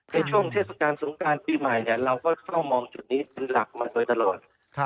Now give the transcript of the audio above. ช่วงเทศกาลสงการปีใหม่เราก็เฝ้ามองจุดนี้เป็นหลักมาโดยตลอด